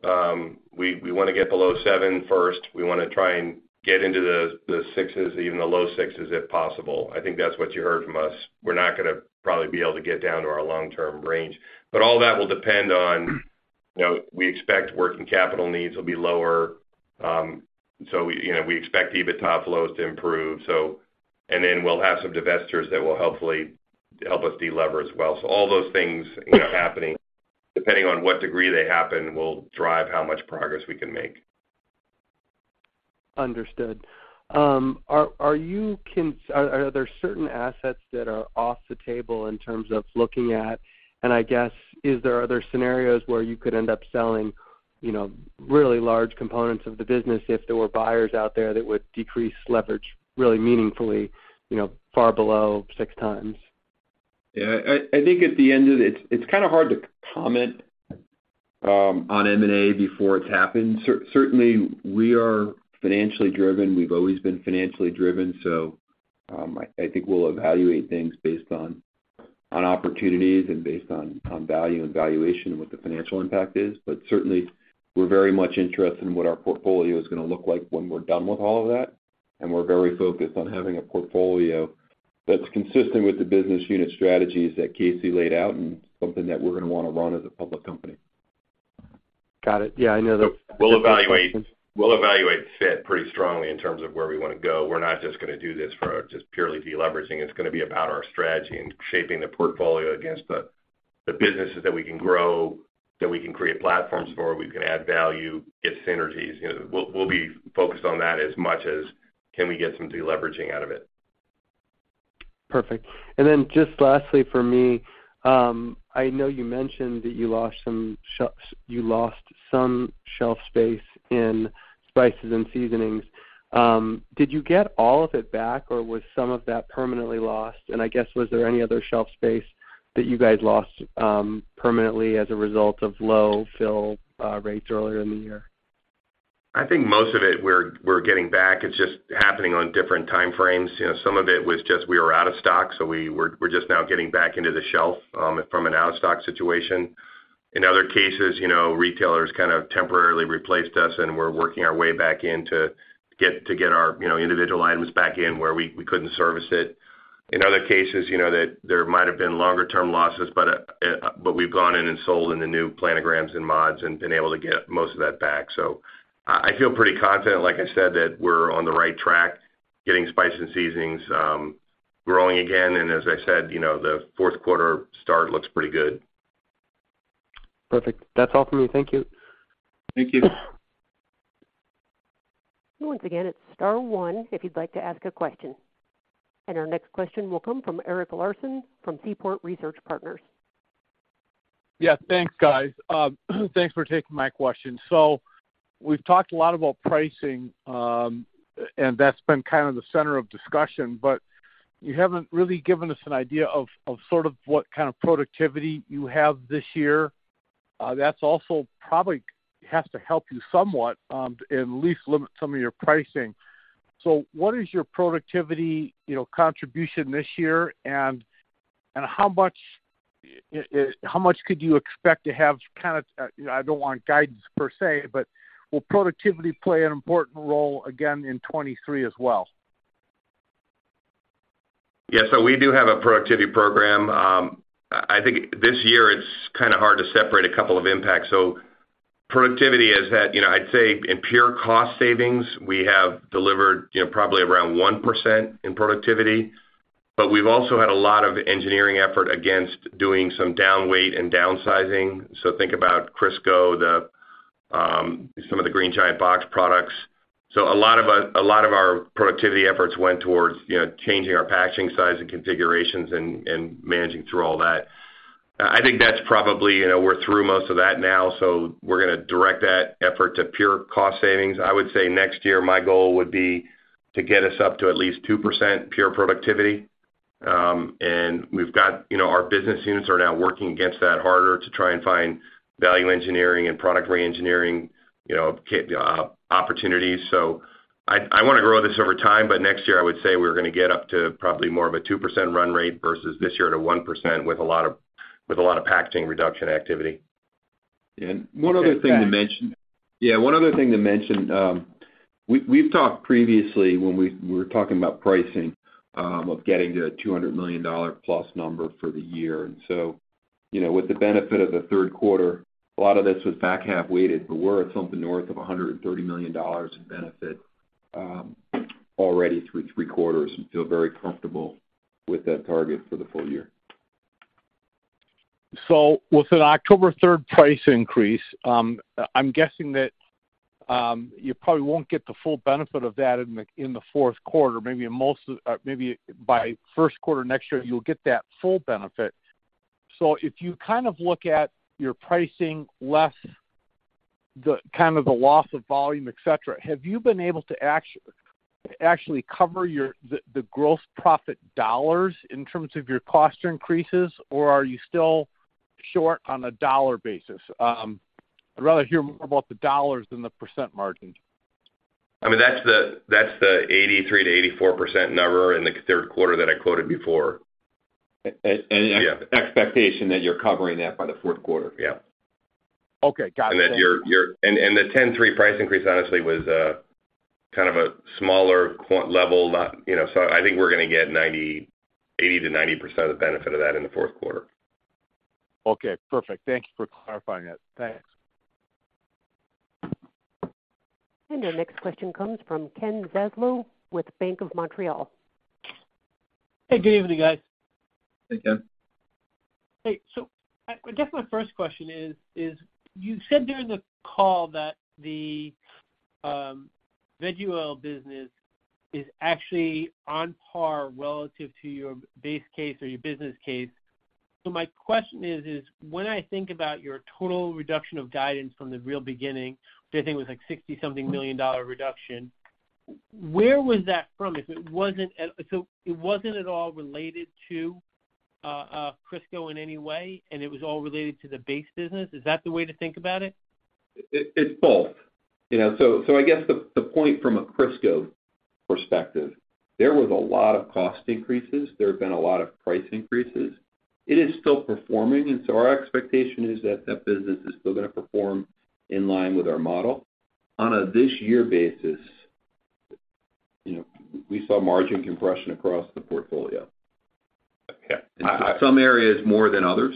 We wanna get below 7 first. We wanna try and get into the 6s, even the low 6s, if possible. I think that's what you heard from us. We're not gonna probably be able to get down to our Long-Term range. All that will depend on, you know, we expect working capital needs will be lower. We expect EBITDA flows to improve. We'll have some divestitures that will hopefully help us de-lever as well. All those things, you know, happening, depending on what degree they happen, will drive how much progress we can make. Understood. Are there certain assets that are off the table in terms of looking at? I guess, is there other scenarios where you could end up selling, you know, really large components of the business if there were buyers out there that would decrease leverage really meaningfully, you know, far below six times? Yeah, I think at the end of the day, it's kinda hard to comment on M&A before it's happened. Certainly, we are financially driven. We've always been financially driven, so I think we'll evaluate things based on opportunities and based on value and valuation and what the financial impact is. Certainly, we're very much interested in what our portfolio is gonna look like when we're done with all of that, and we're very focused on having a portfolio that's consistent with the business unit strategies that Casey laid out and something that we're gonna wanna run as a public company. Got it. Yeah, I know that. We'll evaluate fit pretty strongly in terms of where we wanna go. We're not just gonna do this for just purely deleveraging. It's gonna be about our strategy and shaping the portfolio against the businesses that we can grow, that we can create platforms for, we can add value, get synergies. You know, we'll be focused on that as much as we can get some deleveraging out of it. Perfect. Just lastly for me, I know you mentioned that you lost some shelf space in spices and seasonings. Did you get all of it back, or was some of that permanently lost? I guess, was there any other shelf space that you guys lost, permanently as a result of low fill rates earlier in the year? I think most of it we're getting back. It's just happening on different time frames. You know, some of it was just we were out of stock, so we're just now getting back into the shelf from an out-of-stock situation. In other cases, you know, retailers kind of temporarily replaced us, and we're working our way back in to get our, you know, individual items back in where we couldn't service it. In other cases, you know, that there might have been longer term losses, but we've gone in and sold in the new planograms and mods and been able to get most of that back. So I feel pretty confident, like I said, that we're on the right track, getting spice and seasonings growing again. As I said, you know, the fourth 1/4 start looks pretty good. Perfect. That's all for me. Thank you. Thank you. Once again, it's star one if you'd like to ask a question. Our next question will come from Eric Larson from Seaport Research Partners. Yeah. Thanks, guys. Thanks for taking my question. We've talked a lot about pricing, and that's been kind of the center of discussion, but you haven't really given us an idea of sort of what kind of productivity you have this year. That's also probably has to help you somewhat, at least limit some of your pricing. What is your productivity, you know, contribution this year, and how much could you expect to have? You know, I don't want guidance per se, but will productivity play an important role again in 2023 as well? Yeah. We do have a productivity program. I think this year it's kinda hard to separate a couple of impacts. Productivity has had, you know, I'd say in pure cost savings, we have delivered, you know, probably around 1% in productivity. But we've also had a lot of engineering effort against doing some down weight and downsizing. Think about Crisco, the some of the Green Giant box products. A lot of our productivity efforts went towards, you know, changing our packaging size and configurations and managing through all that. I think that's probably, you know, we're through most of that now, so we're gonna direct that effort to pure cost savings. I would say next year my goal would be to get us up to at least 2% pure productivity. We've got you know, our business units are now working against that harder to try and find value engineering and product reengineering, you know, opportunities. I wanna grow this over time, but next year I would say we're gonna get up to probably more of a 2% run rate versus this year at a 1% with a lot of packaging reduction activity. One other thing to mention. We've talked previously when we were talking about pricing of getting to a $200 million plus number for the year. You know, with the benefit of the 1/3 1/4, a lot of this was back half weighted, but we're at something north of $130 million in benefit already through 3 quarters and feel very comfortable with that target for the full year. With an October 3 price increase, I'm guessing that you probably won't get the full benefit of that in the fourth 1/4. Maybe by first 1/4 next year you'll get that full benefit. If you kind of look at your pricing less the kind of loss of volume, et cetera, have you been able to actually cover your gross profit dollars in terms of your cost increases, or are you still short on a dollar basis? I'd rather hear more about the dollars than the % margin. I mean, that's the 83%-84% number in the 1/3 1/4 that I quoted before. expectation that you're covering that by the fourth 1/4. Yeah. Okay. Got it. Thank you. The 10.3% price increase honestly was kind of a smaller. You know, so I think we're gonna get 80%-90% of the benefit of that in the fourth 1/4. Okay, perfect. Thank you for clarifying that. Thanks. Our next question comes from Kenneth Zaslow with Bank of Montreal. Hey, good evening, guys. Hey, Kenneth. Hey. I guess my first question is, as you said during the call that the veggie oil business is actually on par relative to your base case or your business case. My question is, when I think about your total reduction of guidance from the very beginning, which I think was like $60-something million reduction, where was that from? If it wasn't at all related to Crisco in any way and it was all related to the base business. Is that the way to think about it? It's both. You know, so I guess the point from a Crisco perspective, there was a lot of cost increases. There have been a lot of price increases. It is still performing, and our expectation is that that business is still gonna perform in line with our model. On a this year basis, you know, we saw margin compression across the portfolio. Yeah. Some areas more than others.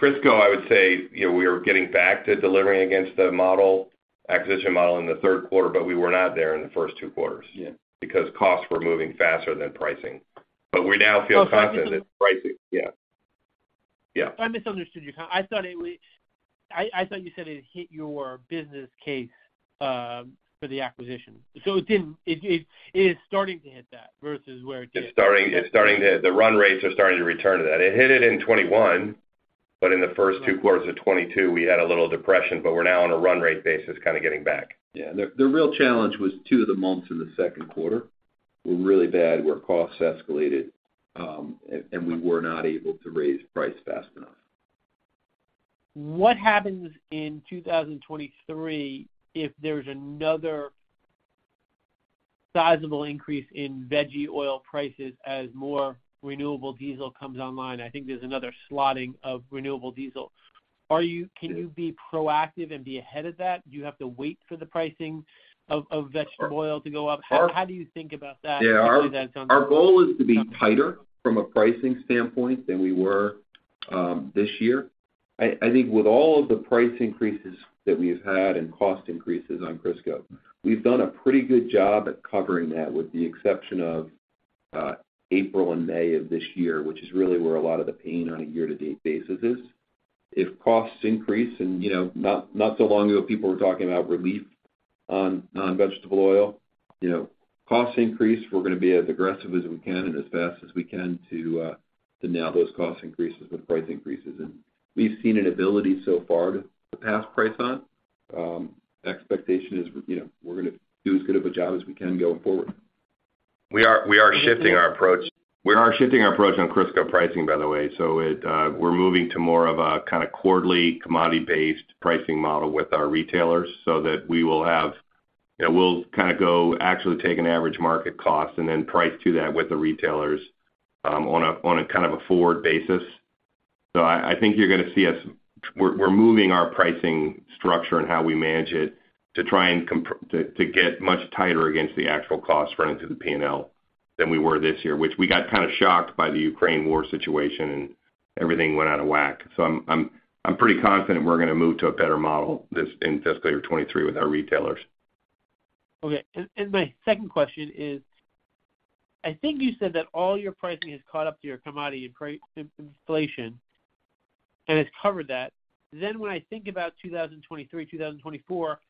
Crisco, I would say, you know, we are getting back to delivering against the model, acquisition model in the 1/3 1/4, but we were not there in the first 2 quarters. Yeah. Because costs were moving faster than pricing. We now feel confident that pricing. Oh, so just to- Yeah. Yeah. I misunderstood you. I thought you said it hit your business case for the acquisition. It didn't, it is starting to hit that versus where it did. It's starting to. The run rates are starting to return to that. It hit it in 2021, but in the first 2 quarters of 2022 we had a little depression, but we're now on a run rate basis kind of getting back. Yeah. The real challenge was 2 of the months in the second 1/4 were really bad, where costs escalated, and we were not able to raise price fast enough. What happens in 2023 if there's another sizable increase in veggie oil prices as more renewable diesel comes online? I think there's another slotting of renewable diesel. Can you be proactive and be ahead of that? Do you have to wait for the pricing of vegetable oil to go up? How do you think about that as you do that on- Yeah. Our goal is to be tighter from a pricing standpoint than we were this year. I think with all of the price increases that we've had and cost increases on Crisco, we've done a pretty good job at covering that with the exception of April and May of this year, which is really where a lot of the pain on a Year-To-Date basis is. If costs increase and, you know, not so long ago people were talking about relief on vegetable oil. You know, costs increase, we're gonna be as aggressive as we can and as fast as we can to nail those cost increases with price increases. We've seen an ability so far to pass price on. Expectation is, you know, we're gonna do as good of a job as we can going forward. We are shifting our approach on Crisco pricing, by the way. We're moving to more of a kinda quarterly commodity-based pricing model with our retailers so that we will have. You know, we'll kinda go actually take an average market cost and then price to that with the retailers, on a kind of a forward basis. I think you're gonna see us. We're moving our pricing structure and how we manage it to try and to get much tighter against the actual costs running through the P&L than we were this year, which we got kinda shocked by the Ukraine war situation and everything went out of whack. I'm pretty confident we're gonna move to a better model this in fiscal year 2023 with our retailers. Okay. My second question is, I think you said that all your pricing has caught up to your commodity inflation, and it's covered that. When I think about 2023, 2024,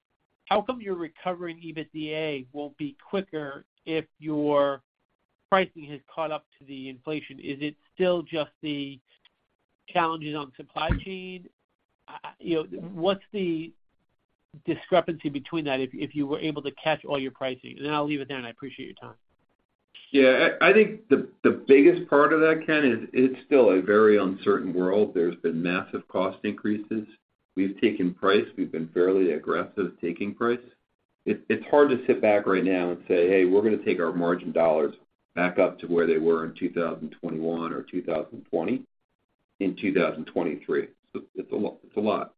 how come your recovering EBITDA won't be quicker if your pricing has caught up to the inflation. Is it still just the challenges on supply chain? You know, what's the discrepancy between that if you were able to catch all your pricing? I'll leave it there, and I appreciate your time. Yeah. I think the biggest part of that, Kenneth, is it's still a very uncertain world. There's been massive cost increases. We've taken price. We've been fairly aggressive taking price. It's hard to sit back right now and say, "Hey, we're gonna take our margin dollars back up to where they were in 2021 or 2020, in 2023." It's a lot.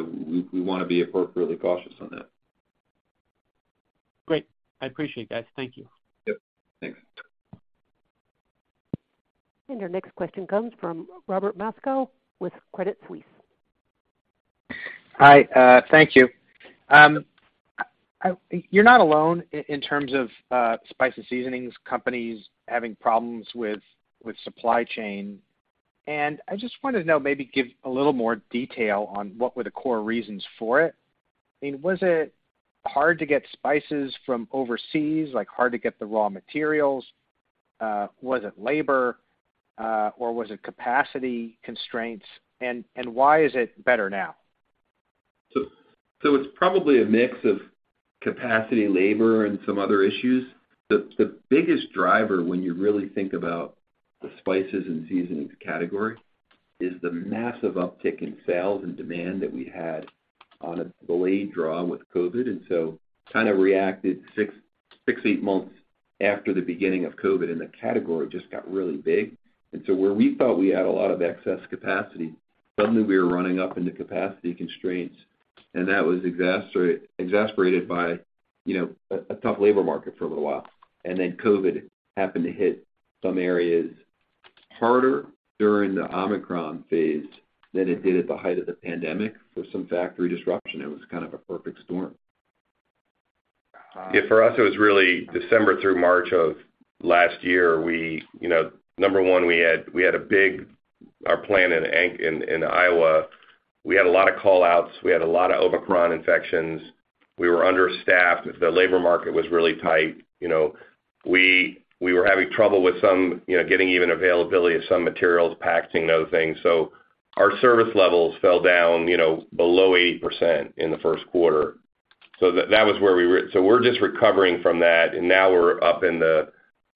We wanna be appropriately cautious on that. Great. I appreciate it, guys. Thank you. Yep. Thanks. Your next question comes from Robert Moskow with Credit Suisse. Hi, thank you. You're not alone in terms of spice and seasonings companies having problems with supply chain, and I just wanted to know, maybe give a little more detail on what were the core reasons for it. I mean, was it hard to get spices from overseas, like hard to get the raw materials? Was it labor, or was it capacity constraints? Why is it better now? It's probably a mix of capacity, labor, and some other issues. The biggest driver when you really think about the spices and seasonings category is the massive uptick in sales and demand that we had on a broad scale with COVID. Kinda reacted 6-8 months after the beginning of COVID, and the category just got really big. Where we thought we had a lot of excess capacity, suddenly we were running up into capacity constraints, and that was exacerbated by, you know, a tough labor market for a little while. COVID happened to hit some areas harder during the Omicron phase than it did at the height of the pandemic for some factory disruption. It was kind of a perfect storm. Yeah, for us, it was really December through March of last year. We, you know, number one, we had a big, our plant in Iowa, we had a lot of Call-Outs. We had a lot of Omicron infections. We were understaffed. The labor market was really tight. You know, we were having trouble with some, you know, getting even availability of some materials, packaging, those things. Our service levels fell down, you know, below 80% in the first 1/4. That was where we were. We're just recovering from that, and now we're up in the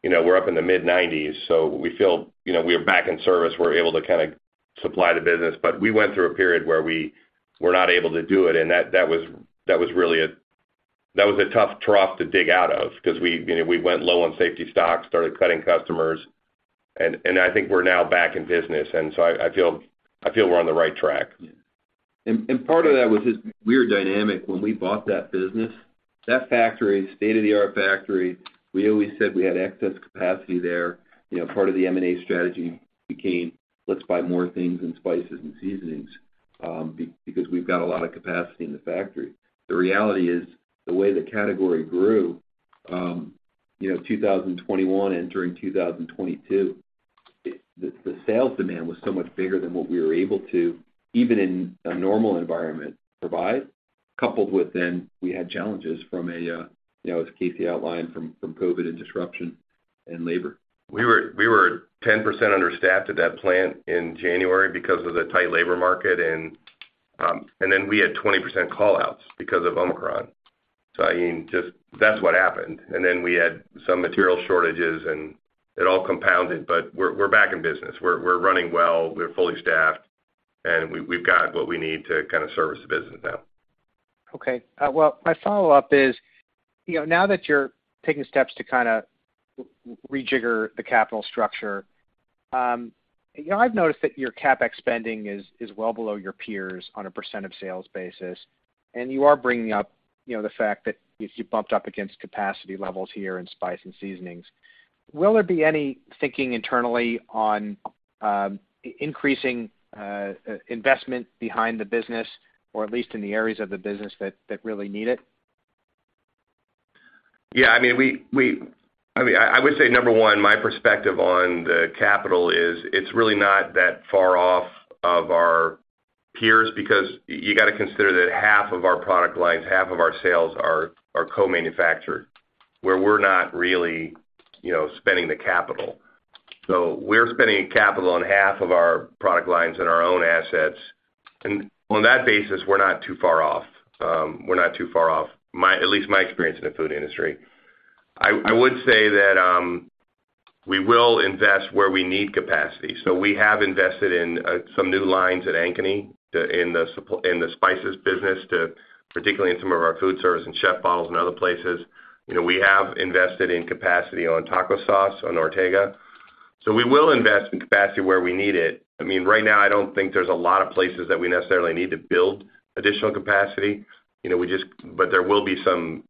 mid-90s. We feel, you know, we are back in service. We're able to kinda supply the business. We went through a period where we were not able to do it, and that was really a tough trough to dig out of because we, you know, we went low on safety stocks, started cutting customers. I think we're now back in business, and so I feel we're on the right track. Yeah. Part of that was just weird dynamic. When we bought that business, that factory, state-of-the-art factory, we always said we had excess capacity there. You know, part of the M&A strategy became, let's buy more things in spices and seasonings, because we've got a lot of capacity in the factory. The reality is, the way the category grew, you know, 2021 and during 2022, the sales demand was so much bigger than what we were able to, even in a normal environment, provide, coupled with then we had challenges from a, you know, as Casey outlined from COVID and disruption and labor. We were 10% understaffed at that plant in January because of the tight labor market and then we had 20% Call-Outs because of Omicron. I mean, just that's what happened. We had some material shortages, and it all compounded, but we're back in business. We're running well. We're fully staffed, and we've got what we need to kinda service the business now. Okay. Well, my Follow-Up is, you know, now that you're taking steps to kinda rejigger the capital structure, you know, I've noticed that your CapEx spending is well below your peers on a % of sales basis, and you are bringing up, you know, the fact that you bumped up against capacity levels here in spice and seasonings. Will there be any thinking internally on increasing investment behind the business or at least in the areas of the business that really need it? Yeah, I mean, I would say number one, my perspective on the capital is it's really not that far off of our peers because you gotta consider that half of our product lines, half of our sales are co-manufactured, where we're not really, you know, spending the capital. So we're spending capital on half of our product lines and our own assets. On that basis, we're not too far off. We're not too far off. At least my experience in the food industry. I would say that we will invest where we need capacity. So we have invested in some new lines at Ankeny in the spices business, particularly in some of our food service and chef bottles and other places. You know, we have invested in capacity on taco sauce, on Ortega. We will invest in capacity where we need it. I mean, right now, I don't think there's a lot of places that we necessarily need to build additional capacity. You know, but there will be some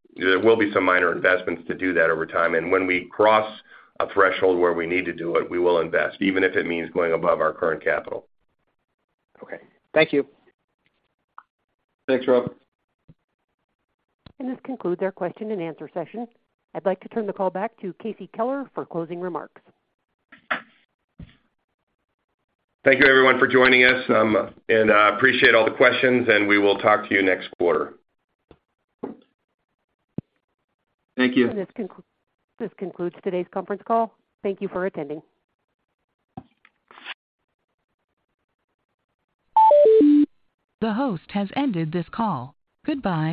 minor investments to do that over time. When we cross a threshold where we need to do it, we will invest, even if it means going above our current capital. Okay. Thank you. Thanks, Robert. This concludes our question and answer session. I'd like to turn the call back to Casey Keller for closing remarks. Thank you everyone for joining us. I appreciate all the questions, and we will talk to you next 1/4. Thank you. This concludes today's conference call. Thank you for attending. The host has ended this call. Goodbye.